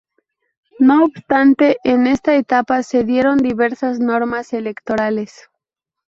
No obstante, en esta etapa se dieron diversas normas electorales.